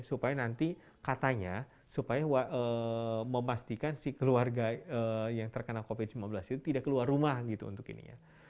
supaya nanti katanya supaya memastikan si keluarga yang terkena covid sembilan belas itu tidak keluar rumah gitu untuk ini ya